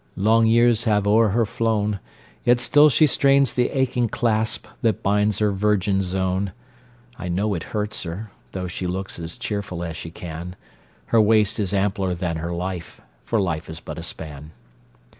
Long years have o'er her flown; Yet still she strains the aching clasp That binds her virgin zone; I know it hurts her though she looks As cheerful as she can; Her waist is ampler than her life, For life is but a span.